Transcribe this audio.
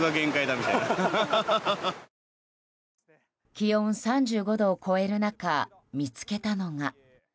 気温３５度を超える中見つけたのが。